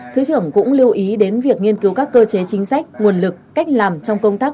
thứ trưởng cũng lưu ý đến việc nghiên cứu các cơ chế chính sách nguồn lực cách làm trong công tác